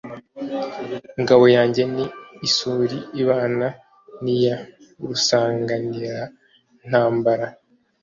ingabo yanjye ni isuli ibana n'iya rusanganirantambara,